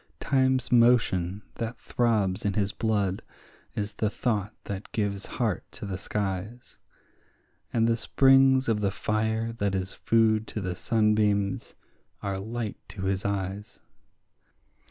Time's motion that throbs in his blood is the thought that gives heart to the skies, And the springs of the fire that is food to the sunbeams are light to his eyes.